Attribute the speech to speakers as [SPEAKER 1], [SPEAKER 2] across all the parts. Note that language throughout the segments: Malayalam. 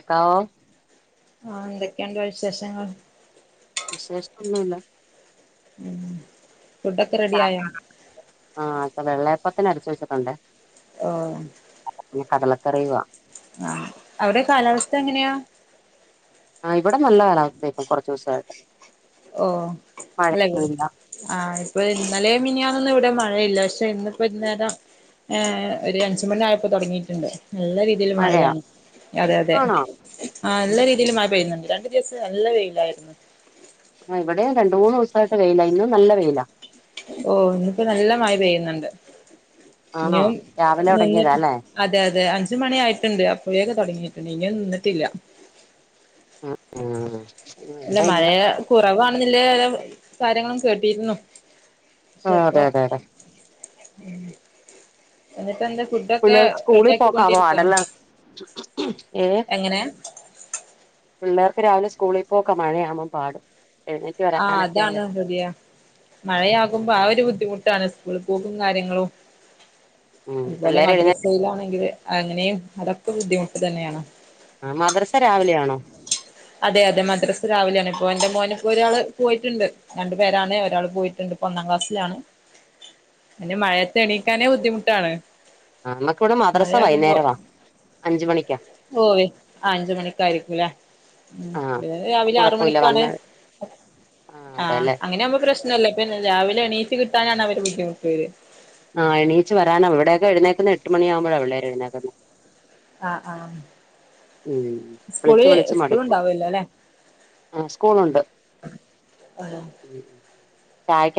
[SPEAKER 1] ക്കോ
[SPEAKER 2] ആഹ എന്തൊക്കെയുണ്ടോ വിശേഷങ്ങൾ
[SPEAKER 1] വിശേഷംന്നല്ല
[SPEAKER 2] ഫുഡൊക്കെ റെഡി ആയോ
[SPEAKER 1] പത്തന അടച്ച്ച്ചിട്ടുണ്ടണ്ട്
[SPEAKER 2] ആഹ
[SPEAKER 1] കടല കറവാ
[SPEAKER 2] ആഹ അവിടെ കാലാവസ്ഥ എങ്ങനെയാ
[SPEAKER 1] ആ ഇവിടെ നല്ല കാലാവസ്ഥ കുറച് ദിവസായി
[SPEAKER 2] ഓ അല്ലങ്ക
[SPEAKER 1] മഴയൊന്നുല്ല
[SPEAKER 2] ആഹ ഇപ്പൊ ഇന്നലെ മിനിയാണൊന്ന് ഇവിടെ മഴയില്ല പക്ഷെ ഇന്നിപ്പോ ഇന്നേരം ഒരു അഞ്ചുമണി ആയപ്പോ തൊടങ്ങിയിട്ടുണ്ട് നല്ല രീതിൽ
[SPEAKER 1] മഴയാ
[SPEAKER 2] മഴയാണ് അതെ അതെ
[SPEAKER 1] ആണോ
[SPEAKER 2] ആ നല്ല രീതിയിൽ മഴ പെയ്യുന്നുണ്ട് രണ്ട് ര നല്ല വെയിലായിരുന്നു
[SPEAKER 1] ആ ഇവിടെയും രണ്ട മൂന്ന് ദിവസായിട്ട് വെയില ഇന്നും നല്ല വെയില
[SPEAKER 2] ഓ ഇന്ന്പ്പാ നല്ല മയ പെയ്യുന്നുണ്ട്
[SPEAKER 1] ആണോ
[SPEAKER 2] ഇും
[SPEAKER 1] രാവിലെ തുടങ്ങിയതാ
[SPEAKER 2] നിന്നിട്ട്
[SPEAKER 1] അല്ലേ
[SPEAKER 2] അതെ അതെ അഞ്ച് അഞ്ച് മണി ആയിട്ടുണ്ട് അപ്പോയൊക്കെ തുടങ്ങിയിട്ടുണ്ട് ഇനിയ നിന്നിട്ടില്ല
[SPEAKER 1] ഉം ഉം
[SPEAKER 2] അല്ല
[SPEAKER 1] ഇവിടെ
[SPEAKER 2] മഴ
[SPEAKER 1] ഇല്ല
[SPEAKER 2] കുറവ്ണെന്നില്ലേ കാര്യങ്ങളും കേട്ടിരുന്നു
[SPEAKER 1] ആഹ്
[SPEAKER 2] ഇപ്പ
[SPEAKER 1] അതെ അതെ അതെ
[SPEAKER 2] എന്നിപ്പ എന്താ ഫുഡൊക്കെ
[SPEAKER 1] പിള്ളേർക്ക്
[SPEAKER 2] റെഡി
[SPEAKER 1] സ്കൂളിൽ പോക്കാ
[SPEAKER 2] ആക്കൊണ്ടിരിക്ക
[SPEAKER 1] പാടല്ലേ ഏഹ്
[SPEAKER 2] എങ്ങനെ
[SPEAKER 1] പിള്ളേർക്ക് രാവിലെ സ്കൂളിൽ പോക്കെ മഴയാമൻ പാടും
[SPEAKER 2] ആഹ അതാണ് ശതിയ
[SPEAKER 1] ഉം
[SPEAKER 2] മഴയാകുമ്പോ ആ ഒരു ബുദ്ധിമുട്ടാണ് ഇളി പോക്കും കാര്യങ്ങളും
[SPEAKER 1] ഉം
[SPEAKER 2] അതുപോലെ
[SPEAKER 1] പിള്ളേര് എഴുന്നേ
[SPEAKER 2] മദ്രസയിലാണെങ്കില് അങ്ങനെയും അതൊക്കെ ബുദ്ധിമുട്ട് തന്നെയാണോ
[SPEAKER 1] ആ മദ്രസ രാവിലെയാണോ
[SPEAKER 2] അതെ അതെ മദ്രാസ് രാവിലെയാണ് ഇപ്പോൊ എന്റെ മോന ഇപ്പോ ഒരാള് പോയിട്ടുണ്ട് രണ്ടു പേരാണ് ഒരാൾ പോയിട്ടുണ്ട് ഒന്നാം ക്ലാസ്സിലാണ് പിന്നെ മഴയത്തെണീക്കാനേ ബുദ്ധിമുട്ടാണ്
[SPEAKER 1] ആ നമ്മക്കിവിടെ മദ്രസ വൈകുന്നേരവാ അഞ്ച് മണിക്കാ
[SPEAKER 2] ഓവേ അഞ്ച മണിക്കായിരിക്കുംല്ലേ
[SPEAKER 1] ആഹ്
[SPEAKER 2] ഉ ഇ
[SPEAKER 1] അപ്പൊ
[SPEAKER 2] രാവിലെ ആറ
[SPEAKER 1] കൊഴപ്പമില്ല
[SPEAKER 2] മണിക്കാണ്
[SPEAKER 1] വന്ന് ആഹ്
[SPEAKER 2] ആ്
[SPEAKER 1] അതെല്ലേ
[SPEAKER 2] അങ്ങനെ ആമ്പോ പ്രശ്ന രാവിലെ എണീയിച്ചു കിട്ടാനാ
[SPEAKER 1] ആ എണീച്ച് വരാനാണ് ഇവിടെയൊക്കെ എഴുന്നേക്കുന്നത് എട്ട് മണിയാകുമ്പോഴാണ്വടെരെ എഴുന്നേക്കുന്നത്
[SPEAKER 2] ആ ആഹ്
[SPEAKER 1] ഉം
[SPEAKER 2] സ്കൂളി സ്കൂള് ഇണ്ടാവൂല്ലോല്ലെ
[SPEAKER 1] ആ സ്കൂളുണ്ട്
[SPEAKER 2] [unintelligible]
[SPEAKER 1] ചായ്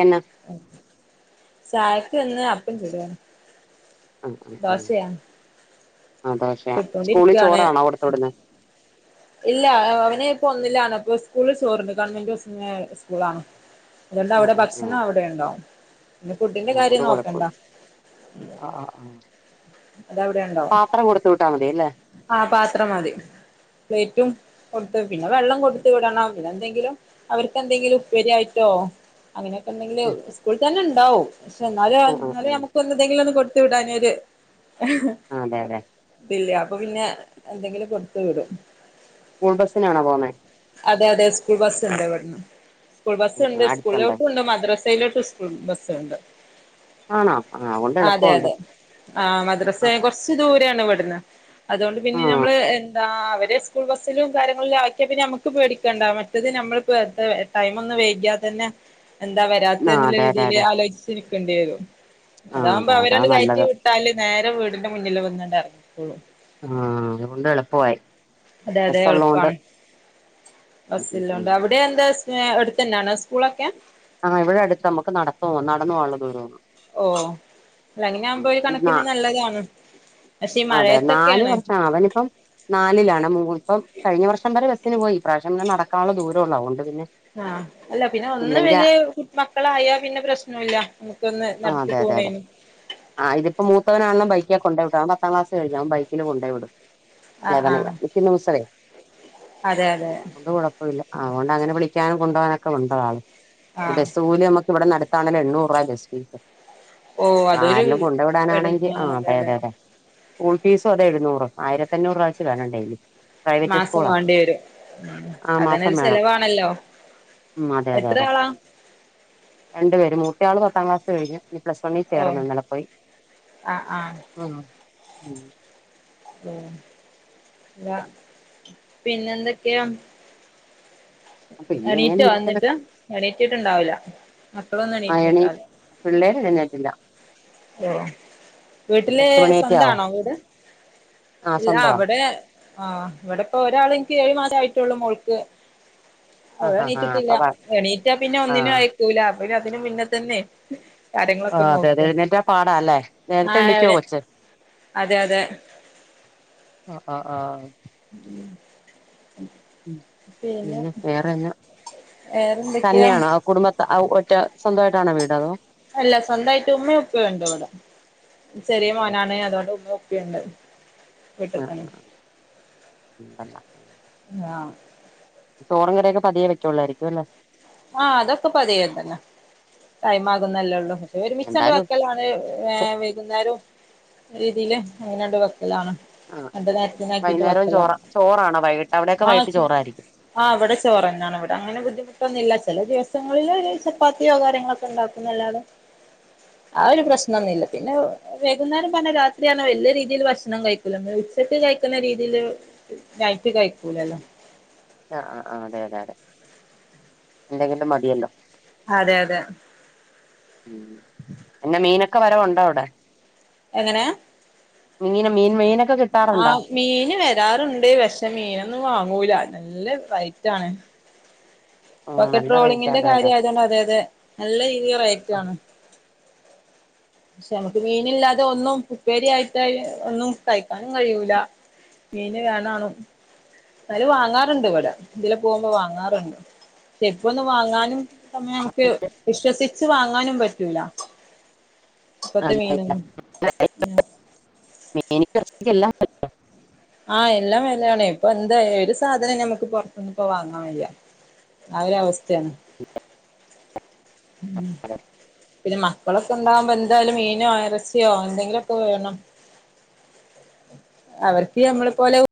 [SPEAKER 2] ചായക്ക് ഇന്ന് അപ്പം ചുടാ
[SPEAKER 1] ആ ആ ആ ആ ദോശ സ്കൂളിൽ
[SPEAKER 2] ചുട്ടോണ്ടിരിക്കാണ്
[SPEAKER 1] ചോറാണോ കൊടത്ത് വിടുന്ന്
[SPEAKER 2] ഇല്ല അവന് ഇപ്പൊ ഒന്നിലാണ് ഇപ്പ സ്കൂളില് ചോറണ്ട് ഗവൺമെന്റ് ഹൗ എ് സ്കൂളാണ് അതോണ്ട്
[SPEAKER 1] ആഹ്
[SPEAKER 2] അവിടെ
[SPEAKER 1] ആഹ്
[SPEAKER 2] ഭക്ഷണം
[SPEAKER 1] ആഹ്
[SPEAKER 2] അവിടെ ഉണ്ടാവും പിന്നെ ഫുഡിന്റെ കാര്യം
[SPEAKER 1] അതുകൊണ്ട്
[SPEAKER 2] നോക്കണ്ട
[SPEAKER 1] കൊഴപ്പമില്ല ആഹ് ആഹ് ആഹ്
[SPEAKER 2] അതവിടെ ഉണ്ടാവും
[SPEAKER 1] പാത്രം കൊടുത്ത് വിട്ടാ മതിയല്ലേ
[SPEAKER 2] ആ പാത്രം മതി പ്ലേറ്റും കൊടുത്ത് പിന്നെ വെള്ളം കൊടുത്ത് വിടണം പിന്നെ എന്തെങ്കിലും അവർക്കെന്തെങ്കിലും ഉപ്പേരി ആയിട്ടോ അങ്ങനെയൊക്കെ ഉണ്ടെങ്കില്
[SPEAKER 1] ഉം
[SPEAKER 2] സ്കൂളിൽ തന്നെ ഇണ്ടാവും പക്ഷെ എന്നാലും
[SPEAKER 1] ആഹ് ആഹ്
[SPEAKER 2] എന്നാലും
[SPEAKER 1] ആഹ്
[SPEAKER 2] നമുക്ക് എന്തെങ്കിലും ഒന്ന് കൊടു ത്ത് വിടാഞ്ഞൊരു
[SPEAKER 1] ആഹ് അതെ അതെ
[SPEAKER 2] ഇതില്ല അപ്പൊ പിന്നെ എന്തെങ്കിലും കൊടുത്തു വിടും
[SPEAKER 1] സ്കൂൾ ബസ്സിനാണോ പോവുന്നേ
[SPEAKER 2] അതെ അതെ സ്കൂൾ ബസ് ഇണ്ട് ഇവിടുന്ന് സ്കൂൾ ബസ്
[SPEAKER 1] ഉം ഉം
[SPEAKER 2] ഇണ്ട്
[SPEAKER 1] അടുത്തുണ്ട്
[SPEAKER 2] സ്കൂളിലോട്ടും ഇണ്ട് മദ്രസ് ലോട്ടും സ്കൂൾ ബസ്സുണ്ട്
[SPEAKER 1] ആണോ ആഹ് അതുകൊണ്ട്
[SPEAKER 2] അതെ
[SPEAKER 1] എളുപ്പമുണ്ട്
[SPEAKER 2] അതെ ആ മദ്രസേ
[SPEAKER 1] ആഹ്
[SPEAKER 2] കൊറച്ചു ദൂരാണ് ഇവ് ട്ന്ന് അതുകൊണ്ട് പിന്നെ ഞമ്മള് എന്താ അവരെ സ്കൂൾ ബസിലും കാര്യങ്ങളിലും ആക്കിയ പിന്നെ ഞമ്മ ക്ക് പേടിക്കണ്ട മറ്റത് നമ്മളിപ്പോ എ ടൈം ഒന്ന് വൈകിയാ തന്നെ എന്താ വരാത്തെ
[SPEAKER 1] ആഹ്
[SPEAKER 2] എന്നുള്ള
[SPEAKER 1] അതെ അതെ
[SPEAKER 2] രീതിയില്
[SPEAKER 1] അതെ
[SPEAKER 2] ആലോയ്ച്ച് ഇരിക്കണ്ടി വരും
[SPEAKER 1] ആഹ്
[SPEAKER 2] അതാവുമ്പോ
[SPEAKER 1] അതാ അതാ
[SPEAKER 2] അവരണ്ട് കയറ്റി
[SPEAKER 1] നല്ലത്
[SPEAKER 2] വിട്ടാല് നേരെ വീടിന്റെ മുന്നില് വന്നണ്ട് എറങ്ങിക്കോളും
[SPEAKER 1] ആഹഅതുകൊണ്ട് എളുപ്പവായി
[SPEAKER 2] അതെ അതെ എളുപ്പാണ്
[SPEAKER 1] ഉം ഉം
[SPEAKER 2] ബസ്സില്ലോണ്ട്
[SPEAKER 1] ഉം
[SPEAKER 2] അവിടെ എന്താ സ് അടുത്ത്ന്നാണോ സ്കൂളൊക്കെ
[SPEAKER 1] ആഹ് ഇവിടെ അടുത്ത മ്മുക്ക് നടത്തം നടന്ന് പോവാള്ള ദൂരള്ളൂ
[SPEAKER 2] ഓ അല്ല അങ്ങനെ ആവുമ്പോ ഒരു
[SPEAKER 1] ന
[SPEAKER 2] കണക്കിന് നല്ലതാണ് പക്ഷെ ഈ
[SPEAKER 1] അതെ നാല്
[SPEAKER 2] മഴയത്തൊക്കെയാണ്
[SPEAKER 1] വർഷം അവനി ഇപ്പം നാലിലാണ് മുമു ഇപ്പം കഴിഞ്ഞ വർഷം വരെ ബസിന് പോയി ഇപ്രാ വശ്യം പിന്നെ നടക്കാള്ള ദൂര ള്ളൂ ന് അവൊണ്ട്
[SPEAKER 2] ആഹ് അല്ല പിന്നെ ഒന്ന് വല്ല്യ കു മക്കളായാ പിന്നെ പ്രശനോല്ല നമ്മുക്കൊന്ന് നടത്തി പോ പോണേനും
[SPEAKER 1] ആ ഇതിപ്പോ മൂത്തവനാണണം ബൈ ക്കേ കൊണ്ടേ വിട്ടു അവൻ പത്താം ക്ലാസ് കഴിഞ്ഞ് അവൻ ബൈക്കില് കൊണ്ടേ വിടും
[SPEAKER 2] ആഹ്
[SPEAKER 1] ലവനെയ
[SPEAKER 2] ആഹ്
[SPEAKER 1] നിക്ക്ന്ന് മിസ്സായ
[SPEAKER 2] അതെ അതെ
[SPEAKER 1] അവോണ്ട് അങ്ങനെ വിളിക്കാനും കൊണ്ടവാനൊക്കെ ഉണ്ട് ആള് പിന്നെ
[SPEAKER 2] ആഹ്
[SPEAKER 1] ബസ് കൂലി നമ്മുക്ക് ഇവിടെ നട താണെലും എണ്ണൂറ് രുപ ബസ് ഫീസ്
[SPEAKER 2] ഓ അതൊരു
[SPEAKER 1] ആരെലും കൊണ്ടു വിടാനാണെങ്കിൽ ആ അതെ അതെ അതെ സ്കൂൾ ഫീസും അതെ എഴുന്നൂറ് ആയിരത്തഅഞ്ഞൂറ് രൂപച്ച് വേണം ഡെയിലി. പ്രൈവറ്റ്
[SPEAKER 2] മാസം
[SPEAKER 1] സ്കൂളാ
[SPEAKER 2] വേണ്ടി വരും ഉം
[SPEAKER 1] ആ
[SPEAKER 2] അതന്നെ
[SPEAKER 1] മാസം
[SPEAKER 2] ഒരു
[SPEAKER 1] വേണം
[SPEAKER 2] ചെലവാണല്ലോ
[SPEAKER 1] ഉം അതെ അതെ
[SPEAKER 2] എത്ര
[SPEAKER 1] അതെ
[SPEAKER 2] ആളാ
[SPEAKER 1] രണ്ട് പേര് മൂത്താള് പത്താം ക്ലാസ് കഴിഞ്ഞു ഞി പ്ലസ് വണിന്
[SPEAKER 2] ഓ
[SPEAKER 1] ചേർന്നു ഇന്നലെ പോയി
[SPEAKER 2] ആഹ് ആഹ്
[SPEAKER 1] ഉം ഉം
[SPEAKER 2] ഉം ലാ പിന്നെന്തൊക്കെയാ
[SPEAKER 1] പിന്നെ ഇങ്ങനെ
[SPEAKER 2] എണീറ്റോ അന്നിട്ട്
[SPEAKER 1] ഇരിക്കുന്നു
[SPEAKER 2] എണീറ്റിട്ടണ്ടാവൂല മക്കളൊന്നും
[SPEAKER 1] അയണി
[SPEAKER 2] എണീറ്റുണ്ടാവില്ല
[SPEAKER 1] പിള്ളേര് എഴുന്നേറ്റില്ല
[SPEAKER 2] ഓ വീട്ടില്
[SPEAKER 1] എട്ട് മണിയൊക്കെ ആവും
[SPEAKER 2] സ്വന്താണോ വീട്
[SPEAKER 1] ആ
[SPEAKER 2] ഇല്ല
[SPEAKER 1] സ്വന്തവാ
[SPEAKER 2] അവിടെ ആഹ് ഇവിടെ ഇപ്പോ ഒരാള് എനിക്ക് ഏഴ് മാസം ആയിട്ടുള്ളു മോൾക്ക്
[SPEAKER 1] ആ
[SPEAKER 2] അവള്
[SPEAKER 1] ആ ആ
[SPEAKER 2] എണീറ്റിട്ടില്ല
[SPEAKER 1] അപ്പൊ ആ
[SPEAKER 2] എണീറ്റാ പിന്നെ
[SPEAKER 1] ആ
[SPEAKER 2] ഒന്നിനും അയക്കൂല അപ്പിന്നെ അതിന് മുന്നെ തന്നെ കാര്യങ്ങളൊക്കെ നോക്കാ
[SPEAKER 1] പാടാല്ലേ നേരത്തെ എണീക്കോ കൊച്ച്
[SPEAKER 2] അതെ അതെ
[SPEAKER 1] ആ ആഹ് ആ
[SPEAKER 2] ഉം
[SPEAKER 1] പിന്നെ വേറെന്നാ
[SPEAKER 2] വേറെന്തൊക്കെയാ
[SPEAKER 1] തന്നെയാണോ ആ കുടുംബത്ത മറ്റ സ്വന്തമായിട്ടാണ വീടതോ
[SPEAKER 2] അല്ല സ്വന്തമായിട്ട് ഉമ്മയും ഉപ്പയുണ്ട് ഇവിടെ ചെറിയ മോനാണ് അതോണ്ട് ഉമ്മയു ഉപ്പ യുണ്ട് വീട്ടിൽത്തന്നെ
[SPEAKER 1] ഉല്ല [unintelligible]
[SPEAKER 2] വാ
[SPEAKER 1] ചോറും കറിയൊക്കെ പതിയെ വെക്കൊള്ളായിരിക്കും അല്ലേ
[SPEAKER 2] ആ അതൊക്കെ പതിയ തന്നെ ടൈം ആകുന്നല്ലേ ഉള്ളു ഒരുമിച്ചണ്ട്
[SPEAKER 1] എന്തായാലും
[SPEAKER 2] വെക്കലാണ്
[SPEAKER 1] ഉച്ച
[SPEAKER 2] വൈകുന്നേരം രീതിൽ അങ്ങനാണ്ട് വെ ലാണ്
[SPEAKER 1] ആ
[SPEAKER 2] രണ്ട് നേരത്തിനാക്കിട്ട്
[SPEAKER 1] വൈകുന്നേരം ചോറ
[SPEAKER 2] വെക്കലാണ്
[SPEAKER 1] ചോറാണോ വൈകിട്ട് അവിടെയൊക്കെ
[SPEAKER 2] ആ
[SPEAKER 1] വൈകിട്ട്
[SPEAKER 2] ച്
[SPEAKER 1] ചോറായിരിക്കും
[SPEAKER 2] ആ ഇവിടെ ചോറന്നാണ് ഇവിടെ അങ്ങനെ ബുദ്ധിമുട്ട ന്നുല്ല ചില ദിവസങ്ങളിൽ ചപ്പാത്തിയോ കാര്യങ്ങളൊക്കെ ഉണ്ടാക്കുന്നല്ലാതെ ആ ഒരു പ്രശ്നൊന്നില്ല പിന്നെ വെകുന്നേരം പർന രാത്രിയർണ വല്യ രീതിയിൽ ഭക്ഷണം കഴിക്കുല [unintelligible] ഉച്ചക്ക് കഴിക്കുന്ന രീതിയില് നൈറ്റ് കഴിക്കൂലല്ലോ
[SPEAKER 1] അ അ ആ അതെ അതെ അതെ എന്തെങ്കിലും മതിയല്ലോ
[SPEAKER 2] അതെ അതെ
[SPEAKER 1] ഉം പിന്നെ മീനൊക്കെ വരവുണ്ടോ അവിടെ
[SPEAKER 2] എങ്ങനെ
[SPEAKER 1] മീന് മീൻ മീന്
[SPEAKER 2] ആ മീന് വരാറുണ്ട് പക്ഷെ മീനൊന്നും വാങ്ങൂല നല്ല റേറ്റ് ആണ്
[SPEAKER 1] ഉം നല്ല റേറ്റ്
[SPEAKER 2] ഇപ്പൊക്കെട്രോളിങ്ങിന്റെ
[SPEAKER 1] അതെ അതെ
[SPEAKER 2] കാര്യം ആയതോണ്ട് അതെതെ നല്ല രീതില്
[SPEAKER 1] ആ.
[SPEAKER 2] റേറ്റാണ് പക്ഷെ നമുക്ക് മീനില്ലാതെ ഒന്നും ഉപ്പേരി ആയിട്ട് ഒന്നും കഴിക്കാനും കഴിയൂല മീന് വേണാണും നാലും വാങ്ങാറുണ്ട് ഇവടെ ഇതില പോകുമ്പോ വാങ്ങാറുണ്ട് പക്ഷെ ഇപ്പോ ഒന്ന് വാങ്ങാനും [unintelligible] നമുക്ക് വിശ്വസിച്ച് വാങ്ങാനും പറ്റൂല ഇപ്പത്തെ
[SPEAKER 1] അല്ലല്ല
[SPEAKER 2] മീനൊന്നും
[SPEAKER 1] [inaudible] [unintelligible]
[SPEAKER 2] ആ എല്ലാം വെലേണെയ് ഇപ്പൊ എന്താ ഒരു സാധനം നമ്മുക്ക് പൊറ്ത്ത്ന്ന് ഇപ്പോ വാങ്ങാൻ വയ്യാ ആ ഒരു അവസ്ഥയാണ് ഉം പിന്നെ മക്കളൊക്കെ ഉണ്ടാകുമ്പോ എന്തായാലും മീനോ ഇറച്ചിയോ എന്തെങ്കിലുഒക്കെ വേണം അവർക്ക് ഞമ്മളെ പോലെ